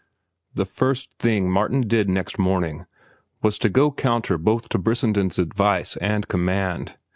The first thing Martin did next morning was to go counter both to Brissenden's advice and command.